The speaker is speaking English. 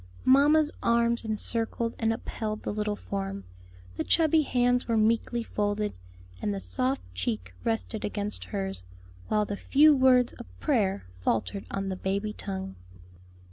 Mamma's arms encircled and upheld the little form, the chubby hands were meekly folded, and the soft cheek rested against hers, while the few words of prayer faltered on the baby tongue.